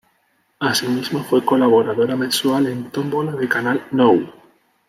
Asimismo, fue colaboradora mensual en Tómbola de Canal Nou.